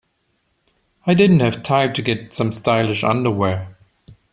I didn't have time to get some stylish underwear.